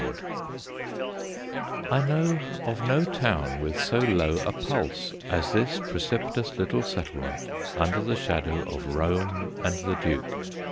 [Sidenote: MODERN MEDIEVALISM] I know of no town with so low a pulse as this precipitous little settlement under the shadow of Rome and the Duke.